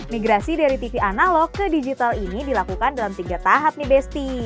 migrasi dari tv analog ke digital ini dilakukan dalam tiga tahap nih besti